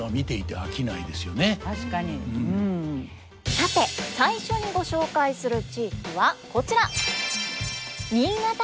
さて最初にご紹介する地域はこちら新潟県です。